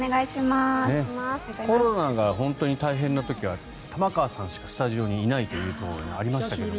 コロナが本当に大変な時は玉川さんしかスタジオにいないということがありましたけど。